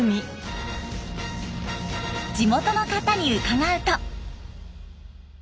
地元の方に伺うと。